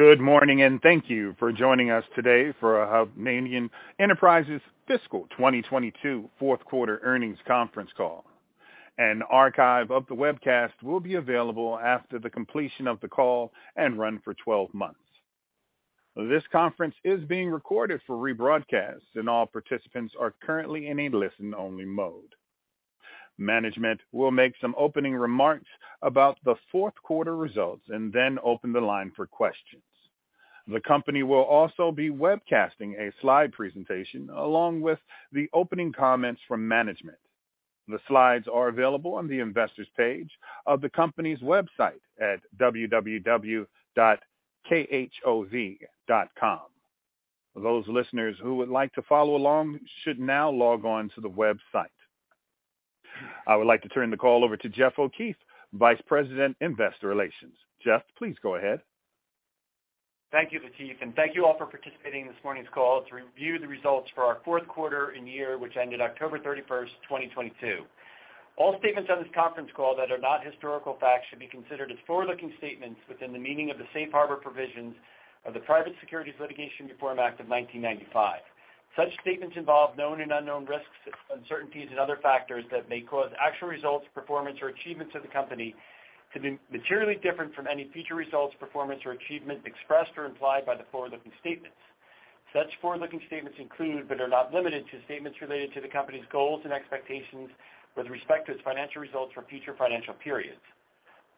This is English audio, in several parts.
Good morning, and thank you for joining us today for Hovnanian Enterprises Fiscal 2022 Fourth Quarter Earnings Conference Call. An archive of the webcast will be available after the completion of the call and run for 12 months. This conference is being recorded for rebroadcast, and all participants are currently in a listen-only mode. Management will make some opening remarks about the fourth-quarter results and then open the line for questions. The company will also be webcasting a slide presentation along with the opening comments from management. The slides are available on the Investors page of the company's website at www.khov.com. Those listeners who would like to follow along should now log on to the website. I would like to turn the call over to Jeff O'Keefe, Vice President, Investor Relations. Jeff, please go ahead. Thank you, Lateef, and thank you all for participating in this morning's call to review the results for our fourth quarter and year, which ended October 31st, 2022. All statements on this conference call that are not historical facts should be considered as forward-looking statements within the meaning of the Safe Harbor provisions of the Private Securities Litigation Reform Act of 1995. Such statements involve known and unknown risks, uncertainties, and other factors that may cause actual results, performance, or achievements of the company to be materially different from any future results, performance, or achievement expressed or implied by the forward-looking statements. Such forward-looking statements include, but are not limited to, statements related to the company's goals and expectations with respect to its financial results for future financial periods.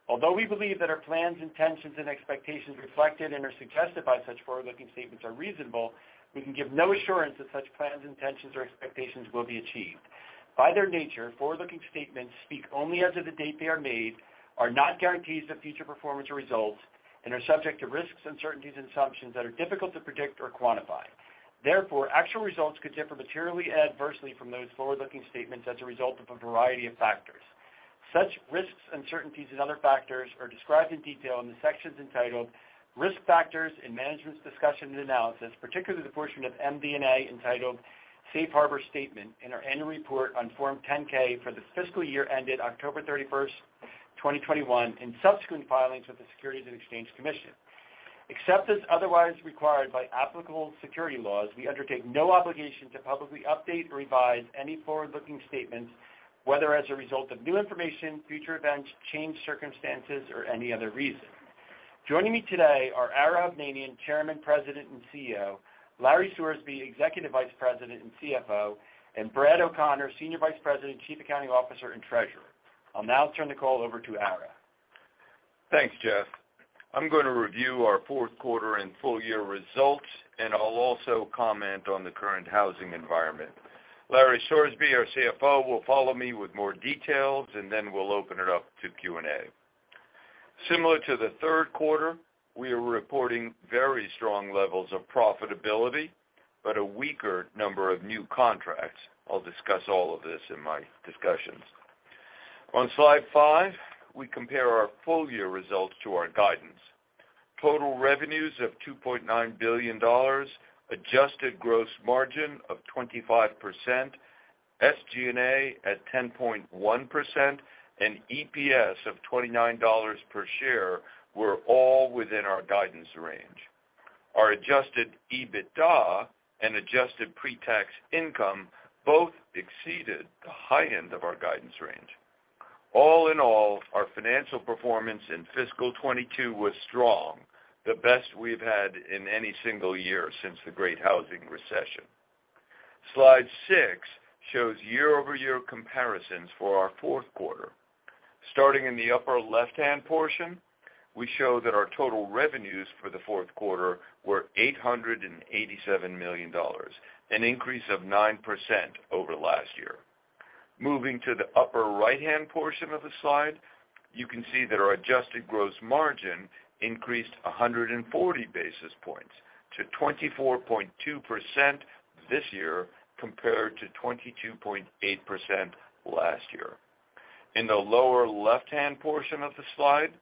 Although we believe that our plans, intentions, and expectations reflected and/or suggested by such forward-looking statements are reasonable, we can give no assurance that such plans, intentions, or expectations will be achieved. By their nature, forward-looking statements speak only as of the date they are made, are not guarantees of future performance or results, and are subject to risks, uncertainties, and assumptions that difficult to predict or quantify. Therefore, actual results could differ materially adversely from those forward-looking statements as a result of a variety of factors. Such risks, uncertainties, and other factors are described in detail in the sections entitled Risk Factors and Management's Discussion and Analysis, particularly the portion of MD&A entitled Safe Harbor Statement in our annual report on Form 10-K for the fiscal year ended October 31st, 2021, and subsequent filings with the Securities and Exchange Commission. Except as otherwise required by applicable security laws, we undertake no obligation to publicly update or revise any forward-looking statements, whether as a result of new information, future events, changed circumstances, or any other reason. Joining me today are Ara Hovnanian, Chairman, President, and CEO; Larry Sorsby, Executive Vice President and CFO; and Brad O'Connor, Senior Vice President, Chief Accounting Officer, and Treasurer. I'll now turn the call over to Ara. Thanks, Jeff. I'm going to review our fourth-quarter and full-year results, and I'll also comment on the current housing environment. Larry Sorsby, our CFO, will follow me with more details, and then we'll open it up to Q&A. Similar to the third quarter, we are reporting very strong levels of profitability but a weaker number of new contracts. I'll discuss all of this in my discussions. On slide five, we compare our full-year results to our guidance. Total revenues of $2.9 billion, adjusted gross margin of 25%, SG&A at 10.1%, and EPS of $29 per share were all within our guidance range. Our adjusted EBITDA and adjusted pre-tax income both exceeded the high end of our guidance range. All in all, our financial performance in fiscal 2022 was strong, the best we've had in any single year since the Great Housing Recession. Slide six shows year-over-year comparisons for our fourth quarter. Starting in the upper left-hand portion, we show that our total revenues for the fourth quarter were $887 million, an increase of 9% over last year. Moving to the upper right-hand portion of the slide, you can see that our adjusted gross margin increased 140 basis points to 24.2% this year compared to 22.8% last year. In the lower left-hand portion of the slide,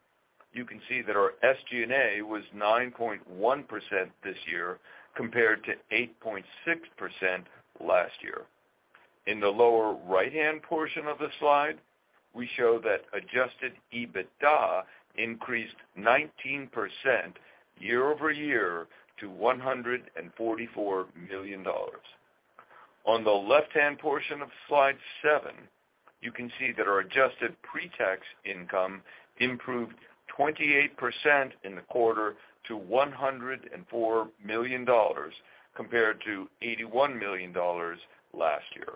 you can see that our SG&A was 9.1% this year compared to 8.6% last year. In the lower right-hand portion of the slide, we show that adjusted EBITDA increased 19% year-over-year to $144 million. On the left-hand portion of slide seven, you can see that our adjusted pre-tax income improved 28% in the quarter to $104 million compared to $81 million last year.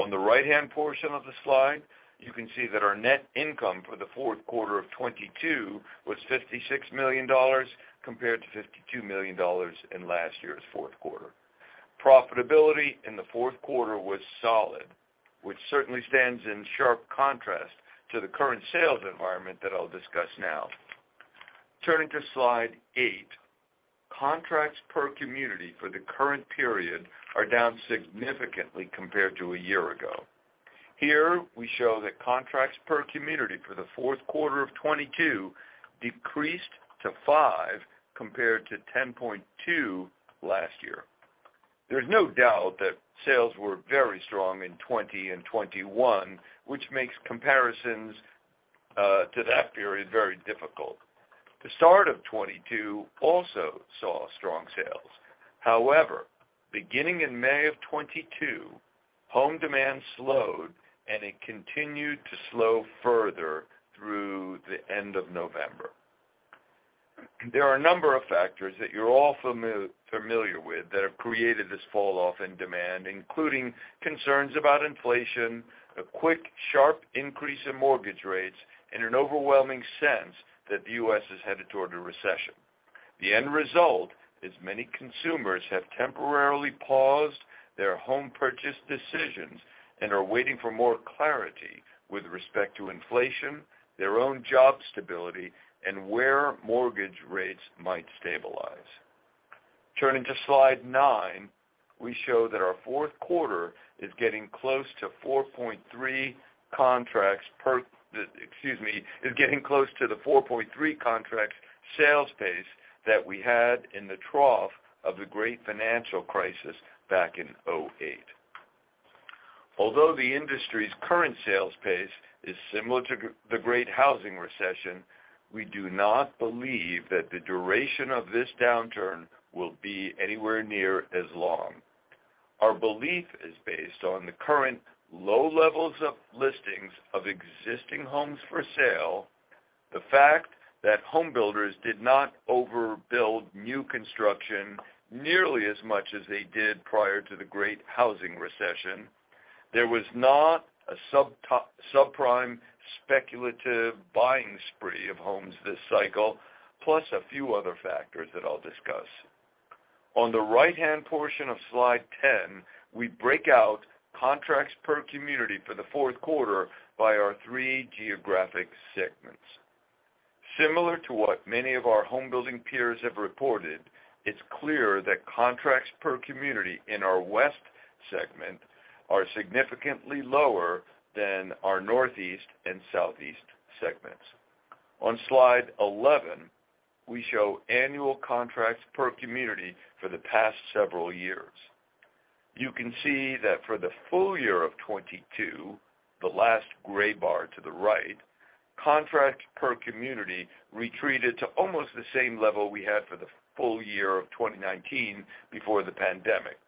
On the right-hand portion of the slide, you can see that our net income for the fourth quarter of 2022 was $56 million compared to $52 million in last year's fourth quarter. Profitability in the fourth quarter was solid, which certainly stands in sharp contrast to the current sales environment that I'll discuss now. Turning to slide eight. Contracts per community for the current period are down significantly compared to a year ago. Here we show that contracts per community for the fourth quarter of 2022 decreased to five compared to 10.2 last year. There's no doubt that sales were very strong in 2020 and 2021, which makes comparisons to that period very difficult. The start of 2022 also saw strong sales. Beginning in May of 2022, home demand slowed, and it continued to slow further through the end of November. There are a number of factors that you're all familiar with that have created this falloff in demand, including concerns about inflation, a quick, sharp increase in mortgage rates, and an overwhelming sense that the U.S. is headed toward a recession. The end result is many consumers have temporarily paused their home purchase decisions and are waiting for more clarity with respect to inflation, their own job stability, and where mortgage rates might stabilize. Turning to slide nine, we show that our fourth quarter is getting close to 4.3 contracts per, excuse me, is getting close to the 4.3 contract sales pace that we had in the trough of the great financial crisis back in 2008. Although the industry's current sales pace is similar to the great housing recession, we do not believe that the duration of this downturn will be anywhere near as long. Our belief is based on the current low levels of listings of existing homes for sale, the fact that home builders did not overbuild new construction nearly as much as they did prior to the great housing recession. There was not a subprime speculative buying spree of homes this cycle, plus a few other factors that I'll discuss. On the right-hand portion of slide 10, we break out contracts per community for the fourth quarter by our three geographic segments. Similar to what many of our home-building peers have reported, it's clear that contracts per community in our west segment are significantly lower than our Northeast and Southeast segments. On slide 11, we show annual contracts per community for the past several years. You can see that for the full year of 2022, the last gray bar to the right, contracts per community retreated to almost the same level we had for the full year of 2019 before the pandemic.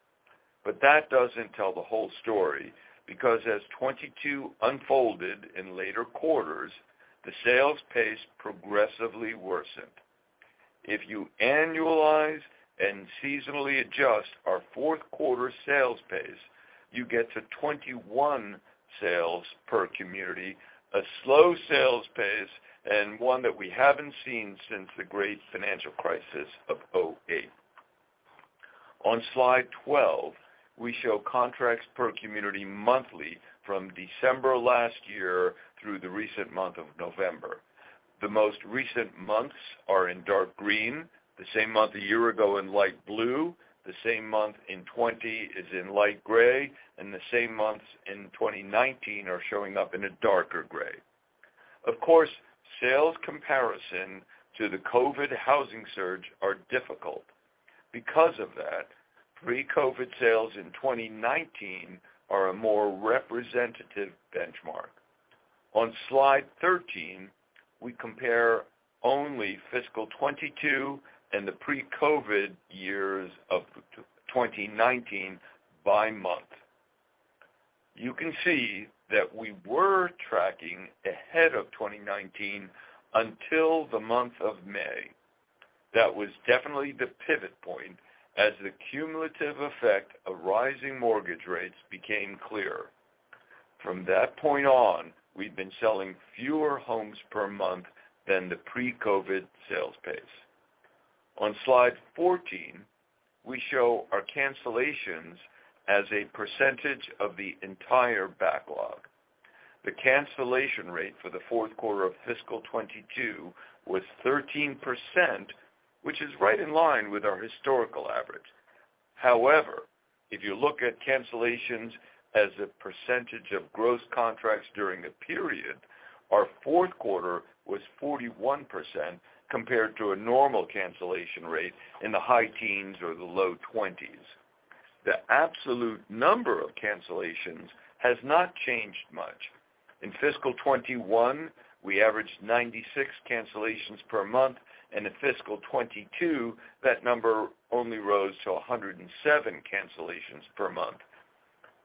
That doesn't tell the whole story, because as 2022 unfolded in later quarters, the sales pace progressively worsened. If you annualize and seasonally adjust our fourth quarter sales pace, you get to 21 sales per community, a slow sales pace, and one that we haven't seen since the great financial crisis of 2008. On slide 12, we show contracts per community monthly from December last year through the recent month of November. The most recent months are in dark green, the same month a year ago in light blue, the same month in 2020 is in light gray, and the same months in 2019 are showing up in a darker gray. Of course, sales comparison to the COVID housing surge are difficult. Because of that, pre-COVID sales in 2019 are a more representative benchmark. On slide 13, we compare only fiscal 2022 and the pre-COVID years of 2019 by month. You can see that we were tracking ahead of 2019 until the month of May. That was definitely the pivot point as the cumulative effect of rising mortgage rates became clear. From that point on, we've been selling fewer homes per month than the pre-COVID sales pace. On slide 14, we show our cancellations as a percentage of the entire backlog. The cancellation rate for the fourth quarter of fiscal 2022 was 13%, which is right in line with our historical average. If you look at cancellations as a percentage of gross contracts during the period, our fourth quarter was 41% compared to a normal cancellation rate in the high teens or the low twenties. The absolute number of cancellations has not changed much. In fiscal 2021, we averaged 96 cancellations per month, and in fiscal 2022, that number only rose to 107 cancellations per month.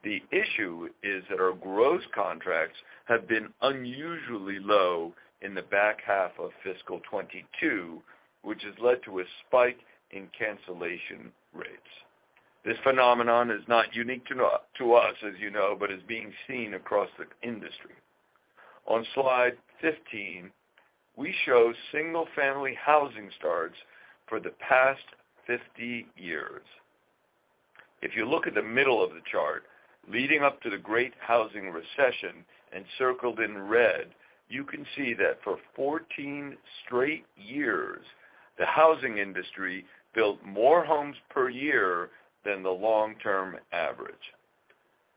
The issue is that our gross contracts have been unusually low in the back half of fiscal 2022, which has led to a spike in cancellation rates. This phenomenon is not unique to us, as you know, but is being seen across the industry. On slide 15, we show single-family housing starts for the past 50 years. If you look at the middle of the chart, leading up to the Great Housing Recession and circled in red, you can see that for 14 straight years, the housing industry built more homes per year than the long-term average.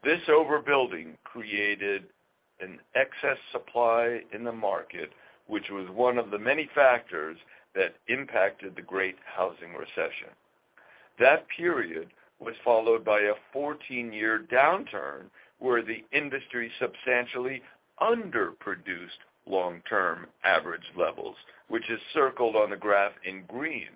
This overbuilding created an excess supply in the market, which was one of the many factors that impacted the Great Housing Recession. That period was followed by a 14-year downturn where the industry substantially underproduced long-term average levels, which is circled on the graph in green.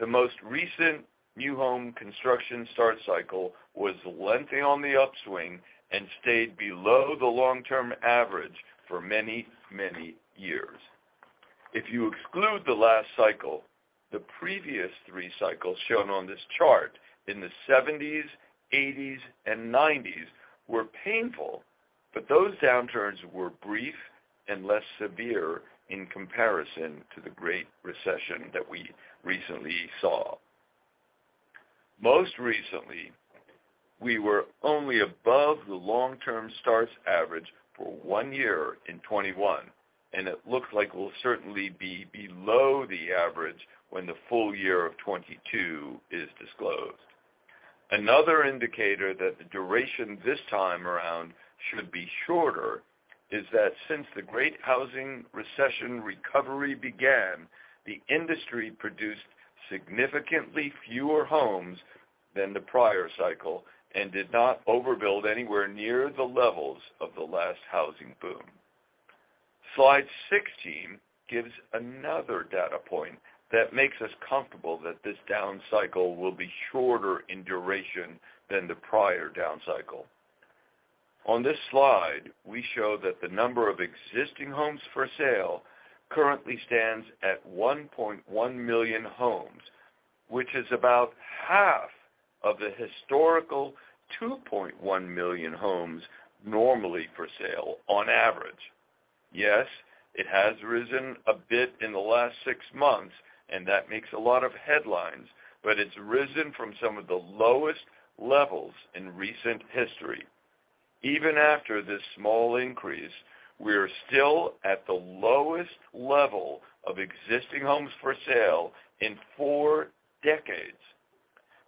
The most recent new home construction start cycle was lengthy on the upswing and stayed below the long-term average for many, many years. If you exclude the last cycle, the previous three cycles shown on this chart in the 70s, 80s, and 90s were painful, but those downturns were brief and less severe in comparison to the Great Recession that we recently saw. Most recently, we were only above the long-term starts average for one year in 2021, and it looks like we'll certainly be below the average when the full year of 2022 is disclosed. Another indicator that the duration this time around should be shorter is that since the Great Housing Recession recovery began, the industry produced significantly fewer homes than the prior cycle and did not overbuild anywhere near the levels of the last housing boom. Slide 16 gives another data point that makes us comfortable that this down cycle will be shorter in duration than the prior down cycle. On this slide, we show that the number of existing homes for sale currently stands at 1.1 million homes, which is about half of the historical 2.1 million homes normally for sale on average. Yes, it has risen a bit in the last six months, and that makes a lot of headlines, but it's risen from some of the lowest levels in recent history. Even after this small increase, we are still at the lowest level of existing homes for sale in four decades.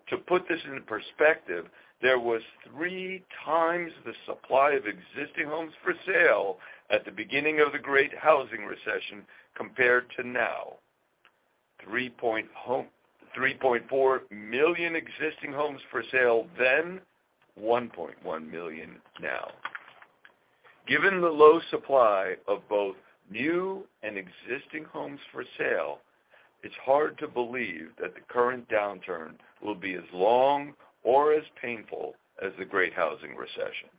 To put this into perspective, there was three times the supply of existing homes for sale at the beginning of the Great Housing Recession compared to now. 3.4 million existing homes for sale then, 1.1 million now. Given the low supply of both new and existing homes for sale, it's hard to believe that the current downturn will be as long or as painful as the Great Housing Recession.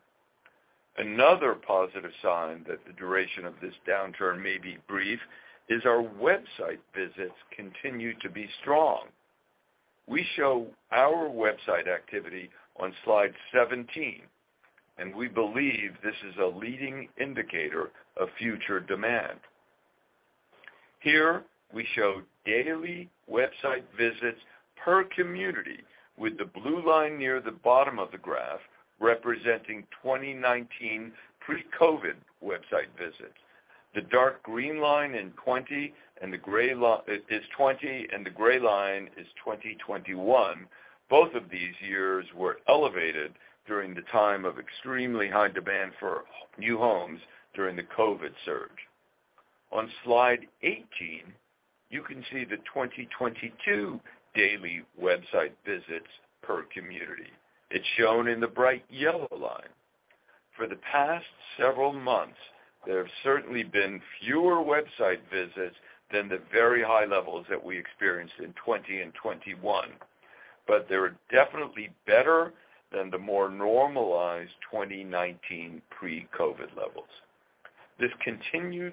Another positive sign that the duration of this downturn may be brief is our website visits continue to be strong. We show our website activity on slide 17, we believe this is a leading indicator of future demand. Here we show daily website visits per community with the blue line near the bottom of the graph representing 2019 pre-COVID website visits. The dark green line in 2020, the gray line is 2020, the gray line is 2021. Both of these years were elevated during the time of extremely high demand for new homes during the COVID surge. On Slide 18, you can see the 2022 daily website visits per community. It's shown in the bright yellow line. For the past several months, there have certainly been fewer website visits than the very high levels that we experienced in 2020 and 2021, but they are definitely better than the more normalized 2019 pre-COVID levels. This continuation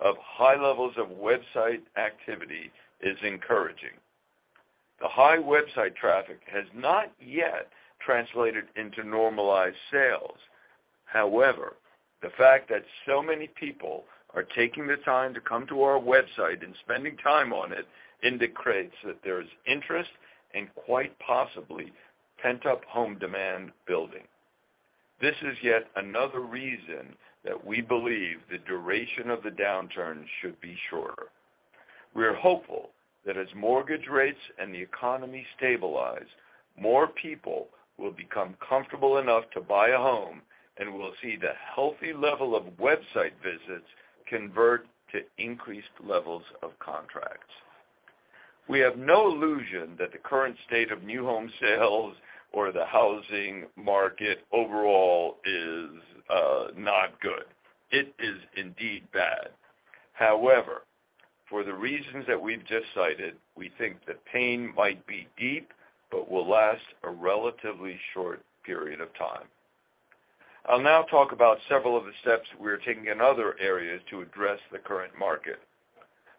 of high levels of website activity is encouraging. The high website traffic has not yet translated into normalized sales. The fact that so many people are taking the time to come to our website and spending time on it indicates that there is interest and quite possibly pent-up home demand building. This is yet another reason that we believe the duration of the downturn should be shorter. We are hopeful that as mortgage rates and the economy stabilize, more people will become comfortable enough to buy a home, and we'll see the healthy level of website visits convert to increased levels of contracts. We have no illusion that the current state of new home sales or the housing market overall is not good. It is indeed bad. For the reasons that we've just cited, we think the pain might be deep but will last a relatively short period of time. I'll now talk about several of the steps we are taking in other areas to address the current market.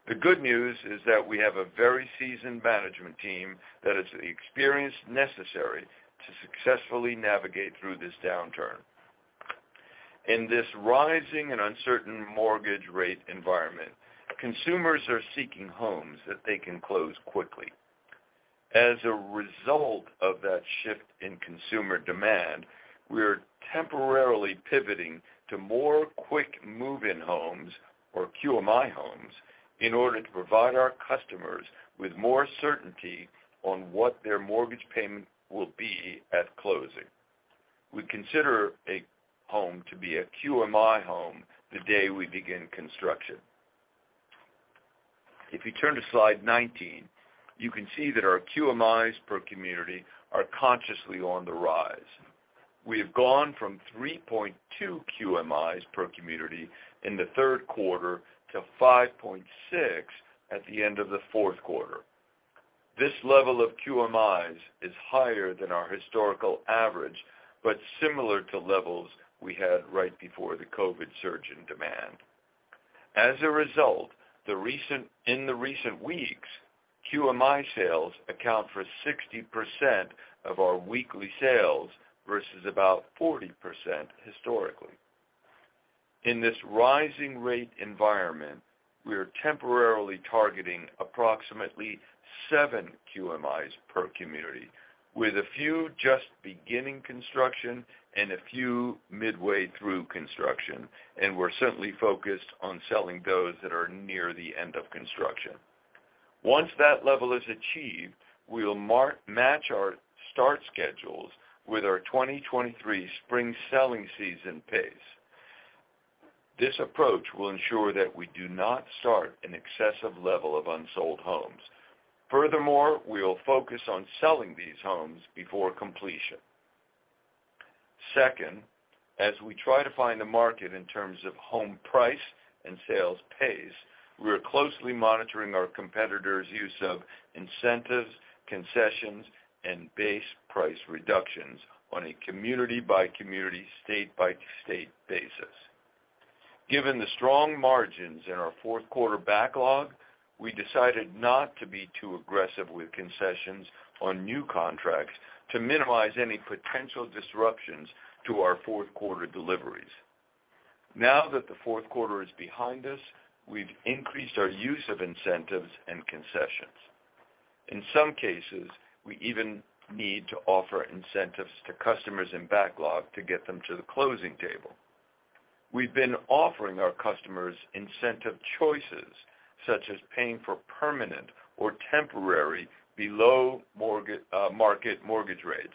The good news is that we have a very seasoned management team that has the experience necessary to successfully navigate through this downturn. In this rising and uncertain mortgage rate environment, consumers are seeking homes that they can close quickly. As a result of that shift in consumer demand, we are temporarily pivoting to more quick move-in homes or QMI homes in order to provide our customers with more certainty on what their mortgage payment will be at closing. We consider a home to be a QMI home the day we begin construction. If you turn to slide 19, you can see that our QMIs per community are consciously on the rise. We have gone from 3.2 QMIs per community in the third quarter to 5.6 at the end of the fourth quarter. This level of QMIs is higher than our historical average, but similar to levels we had right before the COVID surge in demand. In the recent weeks, QMI sales account for 60% of our weekly sales versus about 40% historically. In this rising rate environment, we are temporarily targeting approximately seven QMIs per community, with a few just beginning construction and a few midway through construction, and we're certainly focused on selling those that are near the end of construction. Once that level is achieved, we will match our start schedules with our 2023 spring selling season pace. This approach will ensure that we do not start an excessive level of unsold homes. We will focus on selling these homes before completion. Second, as we try to find the market in terms of home price and sales pace, we are closely monitoring our competitors' use of incentives, concessions, and base price reductions on a community-by-community, state-by-state basis. Given the strong margins in our fourth quarter backlog, we decided not to be too aggressive with concessions on new contracts to minimize any potential disruptions to our fourth quarter deliveries. Now that the fourth quarter is behind us, we've increased our use of incentives and concessions. In some cases, we even need to offer incentives to customers in backlog to get them to the closing table. We've been offering our customers incentive choices, such as paying for permanent or temporary below-market mortgage rates,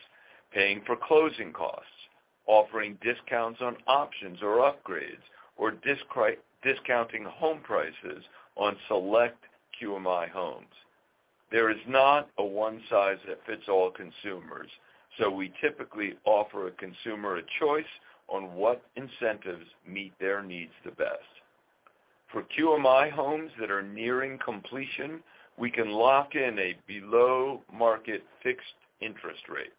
paying for closing costs, offering discounts on options or upgrades, or discounting home prices on select QMI homes. There is not a one size that fits all consumers, so we typically offer a consumer a choice on what incentives meet their needs the best. For QMI homes that are nearing completion, we can lock in a below-market fixed interest rate.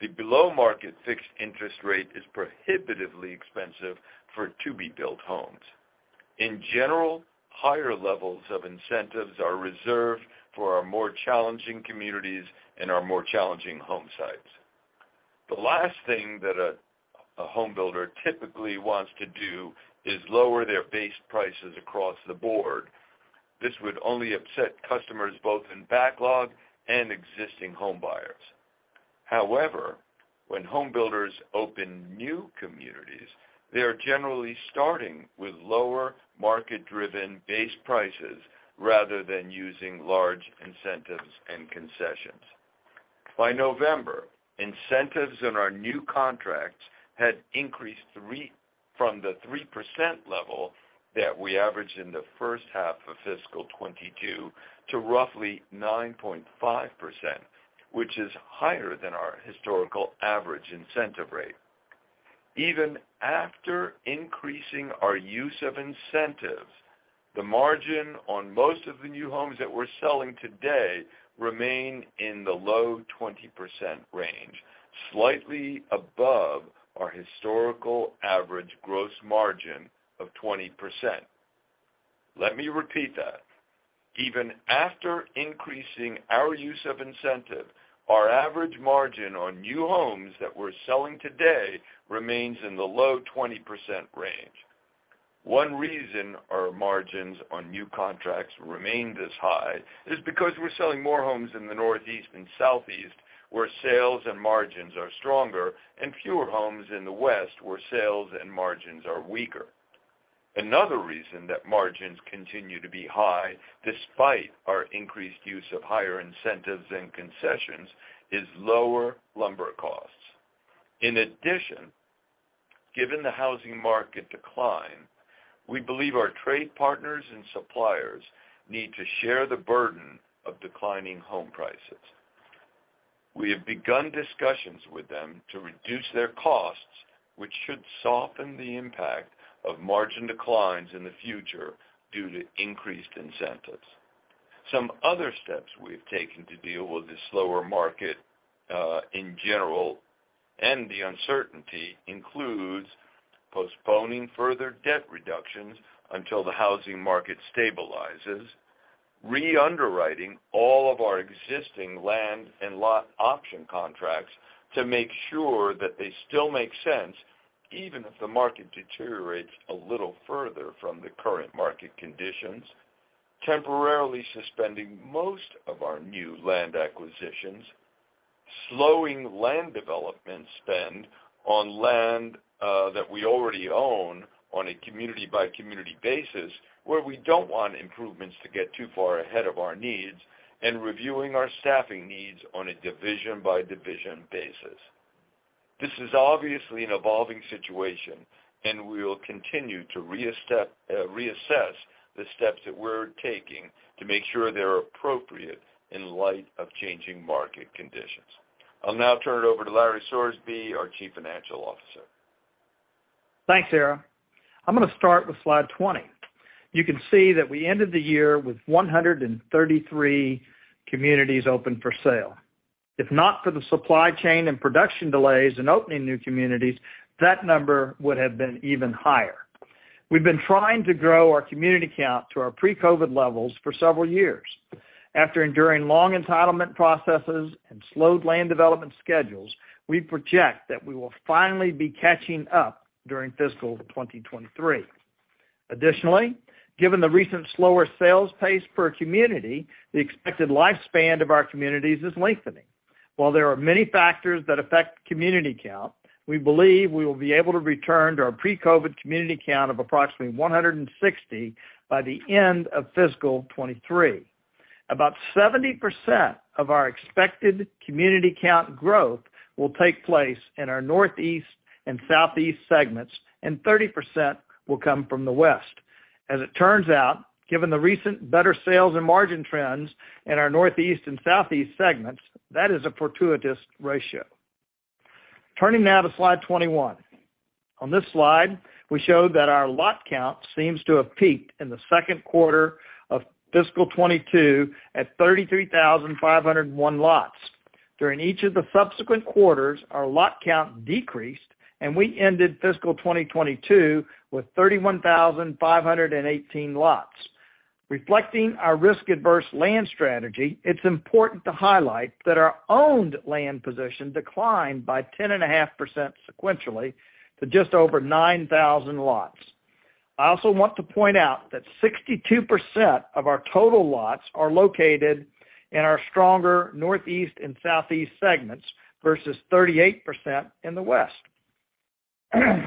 The below-market fixed interest rate is prohibitively expensive for to-be-built homes. In general, higher levels of incentives are reserved for our more challenging communities and our more challenging home sites. The last thing that a homebuilder typically wants to do is lower their base prices across the board. This would only upset customers both in backlog and existing homebuyers. However, when homebuilders open new communities, they are generally starting with lower market-driven base prices rather than using large incentives and concessions. By November, incentives in our new contracts had increased from the 3% level that we averaged in the first half of fiscal 2022 to roughly 9.5%, which is higher than our historical average incentive rate. Even after increasing our use of incentives, the margin on most of the new homes that we're selling today remain in the low 20% range, slightly above our historical average gross margin of 20%. Let me repeat that. Even after increasing our use of incentive, our average margin on new homes that we're selling today remains in the low 20% range. One reason our margins on new contracts remained as high is because we're selling more homes in the Northeast and Southeast, where sales and margins are stronger, and fewer homes in the West, where sales and margins are weaker. Another reason that margins continue to be high despite our increased use of higher incentives and concessions is lower lumber costs. In addition, given the housing market decline, we believe our trade partners and suppliers need to share the burden of declining home prices. We have begun discussions with them to reduce their costs, which should soften the impact of margin declines in the future due to increased incentives. Some other steps we've taken to deal with the slower market, in general and the uncertainty includes postponing further debt reductions until the housing market stabilizes, re-underwriting all of our existing land and lot option contracts to make sure that they still make sense even if the market deteriorates a little further from the current market conditions, temporarily suspending most of our new land acquisitions, slowing land development spend on land that we already own on a community-by-community basis where we don't want improvements to get too far ahead of our needs, and reviewing our staffing needs on a division-by-division basis. This is obviously an evolving situation, and we will continue to reassess the steps that we're taking to make sure they're appropriate in light of changing market conditions. I'll now turn it over to Larry Sorsby, our Chief Financial Officer. Thanks, Ara. I'm gonna start with slide 20. You can see that we ended the year with 133 communities open for sale. If not for the supply chain and production delays in opening new communities, that number would have been even higher. We've been trying to grow our community count to our pre-COVID levels for several years. After enduring long entitlement processes and slowed land development schedules, we project that we will finally be catching up during fiscal 2023. Additionally, given the recent slower sales pace per community, the expected lifespan of our communities is lengthening. While there are many factors that affect community count, we believe we will be able to return to our pre-COVID community count of approximately 160 by the end of fiscal 2023. About 70% of our expected community count growth will take place in our Northeast and Southeast segments, and 30% will come from the West. As it turns out, given the recent better sales and margin trends in our Northeast and Southeast segments, that is a fortuitous ratio. Turning now to slide 21. On this slide, we show that our lot count seems to have peaked in the second quarter of fiscal 2022 at 33,501 lots. During each of the subsequent quarters, our lot count decreased, and we ended fiscal 2022 with 31,518 lots. Reflecting our risk-averse land strategy, it's important to highlight that our owned land position declined by 10.5% sequentially to just over 9,000 lots. I also want to point out that 62% of our total lots are located in our stronger Northeast and Southeast segments versus 38% in the West. To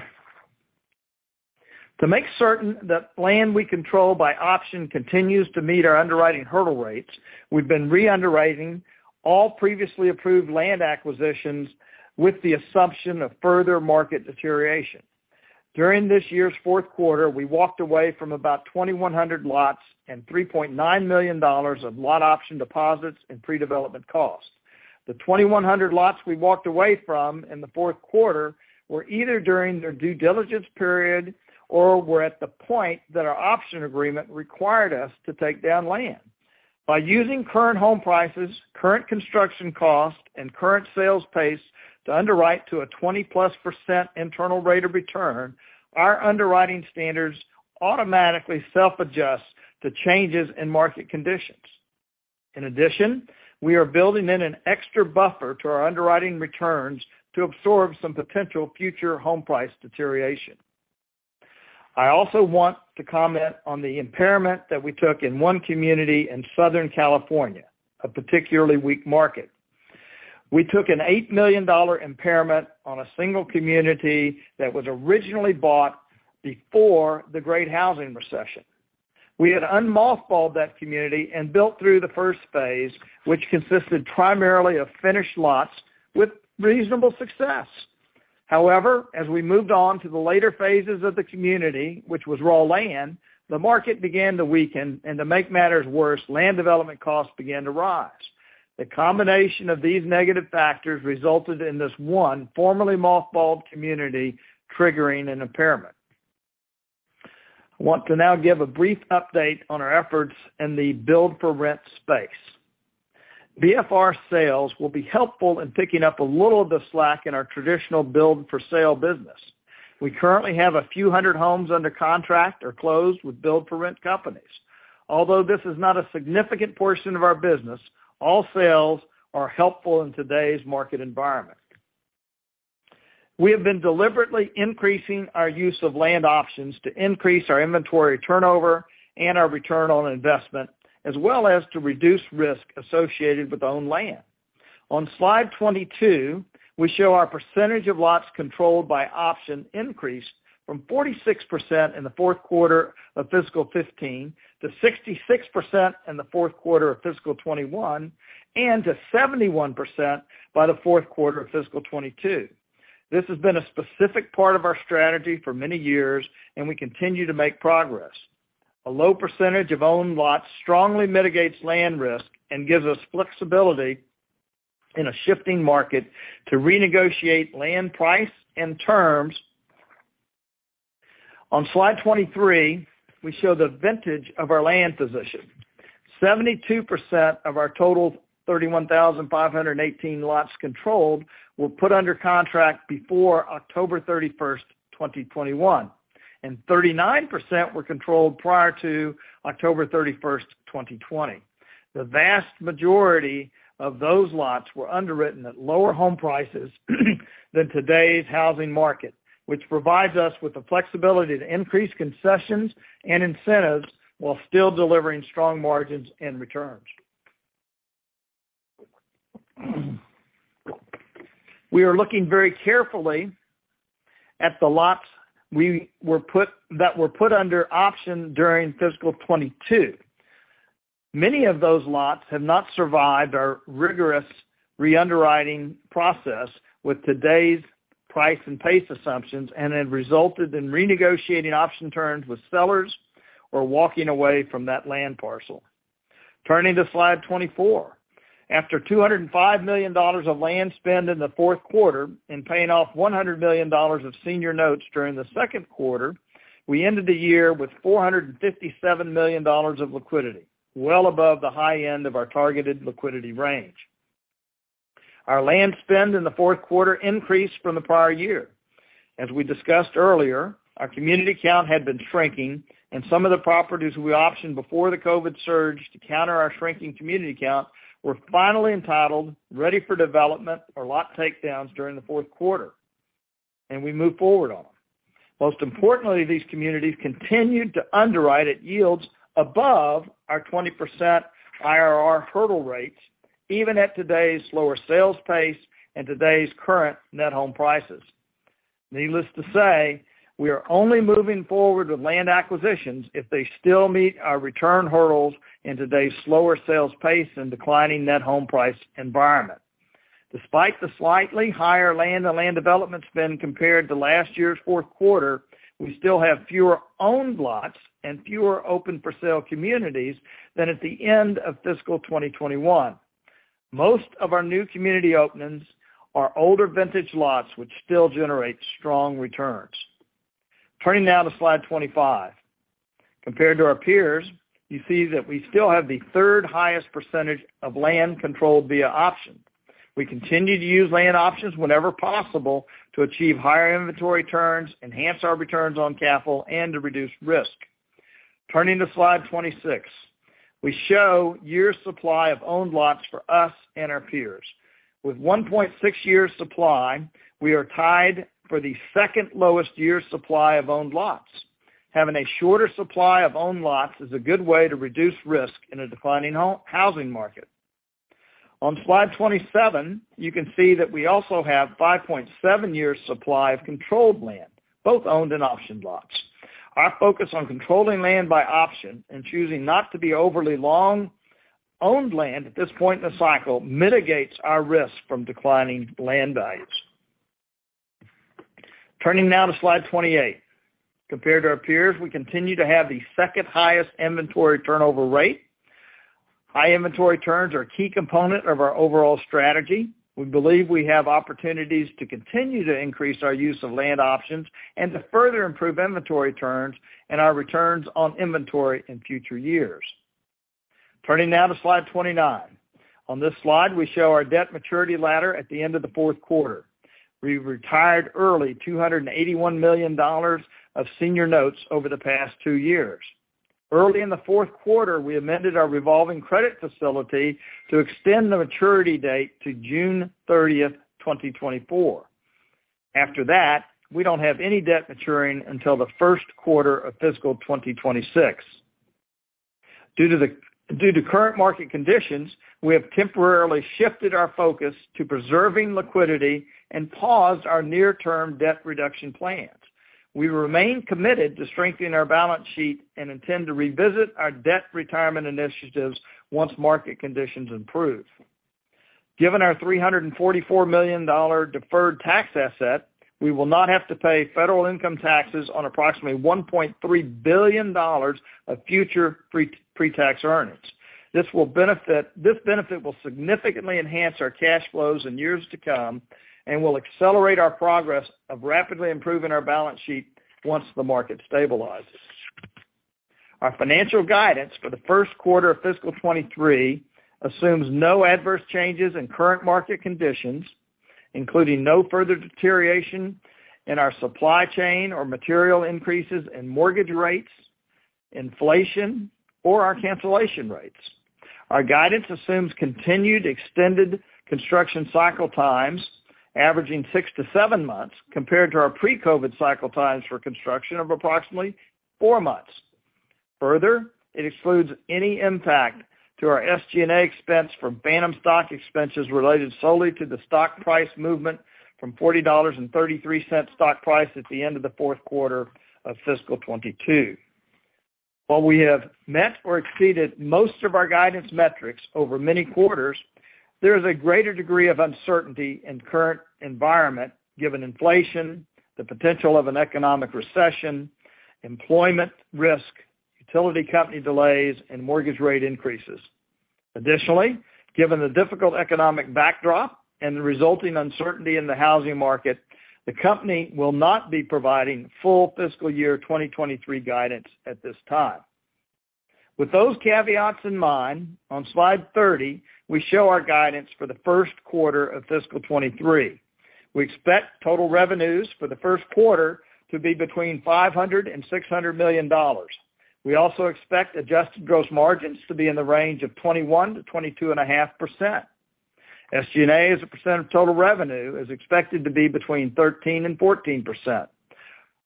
make certain that land we control by option continues to meet our underwriting hurdle rates, we've been re-underwriting all previously approved land acquisitions with the assumption of further market deterioration. During this year's fourth quarter, we walked away from about 2,100 lots and $3.9 million of lot option deposits and pre-development costs. The 2,100 lots we walked away from in the fourth quarter were either during their due diligence period or were at the point that our option agreement required us to take down land. By using current home prices, current construction costs, and current sales pace to underwrite to a 20-plus % internal rate of return, our underwriting standards automatically self-adjust to changes in market conditions. In addition, we are building in an extra buffer to our underwriting returns to absorb some potential future home price deterioration. I also want to comment on the impairment that we took in one community in Southern California, a particularly weak market. We took an $8 million impairment on a single community that was originally bought before the Great Housing Recession. We had unmothballed that community and built through the first phase, which consisted primarily of finished lots with reasonable success. However, as we moved on to the later phases of the community, which was raw land, the market began to weaken, and to make matters worse, land development costs began to rise. The combination of these negative factors resulted in this one formerly mothballed community triggering an impairment. I want to now give a brief update on our efforts in the build-for-rent space. BFR sales will be helpful in picking up a little of the slack in our traditional build-for-sale business. We currently have a few hundred homes under contract or closed with build-for-rent companies. Although this is not a significant portion of our business, all sales are helpful in today's market environment. We have been deliberately increasing our use of land options to increase our inventory turnover and our return on investment, as well as to reduce risk associated with owned land. On slide 22, we show our percentage of lots controlled by option increased from 46% in the fourth quarter of fiscal 2015 to 66% in the fourth quarter of fiscal 2021 and to 71% by the fourth quarter of fiscal 2022. This has been a specific part of our strategy for many years. We continue to make progress. A low percentage of owned lots strongly mitigates land risk and gives us flexibility in a shifting market to renegotiate land price and terms. On slide 23, we show the vintage of our land position. 72% of our total 31,518 lots controlled were put under contract before October 31st, 2021, and 39% were controlled prior to October 31st, 2020. The vast majority of those lots were underwritten at lower home prices than today's housing market, which provides us with the flexibility to increase concessions and incentives while still delivering strong margins and returns. We are looking very carefully at the lots that were put under option during fiscal 2022. Many of those lots have not survived our rigorous re-underwriting process with today's price and pace assumptions, and have resulted in renegotiating option terms with sellers or walking away from that land parcel. Turning to slide 24. After $205 million of land spend in the fourth quarter and paying off $100 million of senior notes during the second quarter, we ended the year with $457 million of liquidity, well above the high end of our targeted liquidity range. Our land spend in the fourth quarter increased from the prior year. As we discussed earlier, our community count had been shrinking. Some of the properties we optioned before the Covid surge to counter our shrinking community count were finally entitled, ready for development or lot takedowns during the fourth quarter. We moved forward on them. Most importantly, these communities continued to underwrite at yields above our 20% IRR hurdle rates, even at today's lower sales pace and today's current net home prices. Needless to say, we are only moving forward with land acquisitions if they still meet our return hurdles in today's slower sales pace and declining net home price environment. Despite the slightly higher land and land development spend compared to last year's fourth quarter, we still have fewer owned lots and fewer open-for-sale communities than at the end of fiscal 2021. Most of our new community openings are older vintage lots which still generate strong returns. Turning now to slide 25. Compared to our peers, you see that we still have the third-highest percentage of land controlled via option. We continue to use land options whenever possible to achieve higher inventory turns, enhance our returns on capital, and to reduce risk. Turning to slide 26. We show year's supply of owned lots for us and our peers. With 1.6 years supply, we are tied for the second-lowest year supply of owned lots. Having a shorter supply of owned lots is a good way to reduce risk in a declining housing market. On slide 27, you can see that we also have 5.7 years supply of controlled land, both owned and optioned lots. Our focus on controlling land by option and choosing not to be overly long owned land at this point in the cycle mitigates our risk from declining land values. Turning now to slide 28. Compared to our peers, we continue to have the second-highest inventory turnover rate. High inventory turns are a key component of our overall strategy. We believe we have opportunities to continue to increase our use of land options and to further improve inventory turns and our returns on inventory in future years. Turning now to slide 29. On this slide, we show our debt maturity ladder at the end of the fourth quarter. We retired early $281 million of senior notes over the past two years. Early in the fourth quarter, we amended our revolving credit facility to extend the maturity date to June 30th, 2024. After that, we don't have any debt maturing until the first quarter of fiscal 2026. Due to current market conditions, we have temporarily shifted our focus to preserving liquidity and paused our near-term debt reduction plans. We remain committed to strengthening our balance sheet and intend to revisit our debt retirement initiatives once market conditions improve. Given our $344 million deferred tax asset, we will not have to pay federal income taxes on approximately $1.3 billion of future pre-tax earnings. This benefit will significantly enhance our cash flows in years to come and will accelerate our progress of rapidly improving our balance sheet once the market stabilizes. Our financial guidance for the first quarter of fiscal 2023 assumes no adverse changes in current market conditions, including no further deterioration in our supply chain or material increases in mortgage rates, inflation, or our cancellation rates. Our guidance assumes continued extended construction cycle times averaging six to seven months compared to our pre-COVID cycle times for construction of approximately four months. Further, it excludes any impact to our SG&A expense from phantom stock expenses related solely to the stock price movement from $40.33 stock price at the end of the fourth quarter of fiscal 2022. While we have met or exceeded most of our guidance metrics over many quarters, there is a greater degree of uncertainty in current environment, given inflation, the potential of an economic recession, employment risk, utility company delays, and mortgage rate increases. Additionally, given the difficult economic backdrop and the resulting uncertainty in the housing market, the company will not be providing full fiscal year 2023 guidance at this time. With those caveats in mind, on slide 30, we show our guidance for the first quarter of fiscal 2023. We expect total revenues for the first quarter to be between $500 million and $600 million. We also expect adjusted gross margins to be in the range of 21%-22.5%. SG&A as a percent of total revenue is expected to be between 13% and 14%.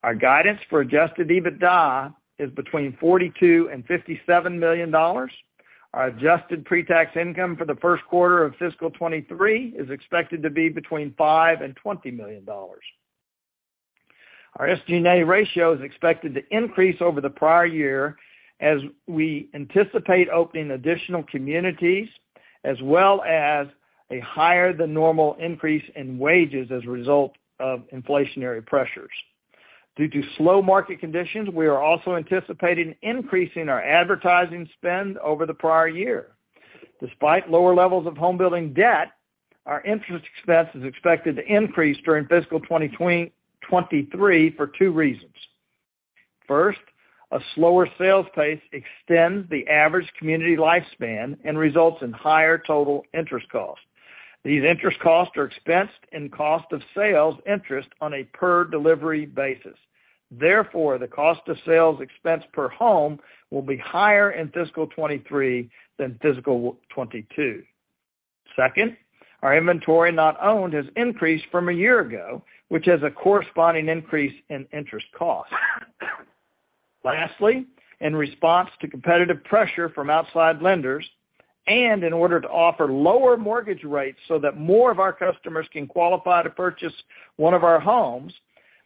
Our guidance for adjusted EBITDA is between $42 million and $57 million. Our adjusted pre-tax income for the first quarter of fiscal 2023 is expected to be between $5 million and $20 million. Our SG&A ratio is expected to increase over the prior year as we anticipate opening additional communities, as well as a higher than normal increase in wages as a result of inflationary pressures. Due to slow market conditions, we are also anticipating increasing our advertising spend over the prior year. Despite lower levels of home building debt, our interest expense is expected to increase during fiscal 2023 for two reasons. First, a slower sales pace extends the average community lifespan and results in higher total interest costs. These interest costs are expensed in cost of sales interest on a per delivery basis. Therefore, the cost of sales expense per home will be higher in fiscal 2023 than fiscal 2022. Second, our inventory not owned has increased from a year ago, which has a corresponding increase in interest costs. Lastly, in response to competitive pressure from outside lenders and in order to offer lower mortgage rates so that more of our customers can qualify to purchase one of our homes,